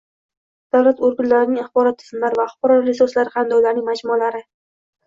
davlat organlarining axborot tizimlari va axborot resurslari hamda ularning majmualari